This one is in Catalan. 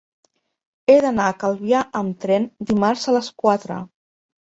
He d'anar a Calvià amb tren dimarts a les quatre.